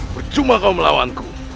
berjumlah kau melawanku